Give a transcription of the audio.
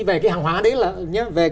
về cái hàng hóa đấy là